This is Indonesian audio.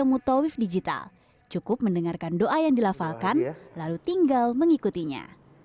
mutawif digital cukup mendengarkan doa yang dilafalkan lalu tinggal mengikutinya